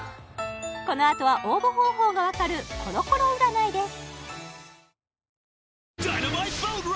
このあとは応募方法が分かるコロコロ占いです